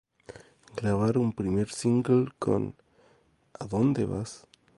Graban un primer single con "¿A Dónde Vas?